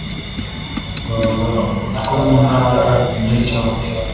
twaba utwo mu Ntara imwe cyangwa